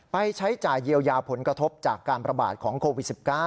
ใช้จ่ายเยียวยาผลกระทบจากการประบาดของโควิด๑๙